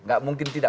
gak mungkin tidak